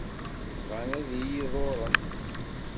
Bɣan ad iyi-ḍurren.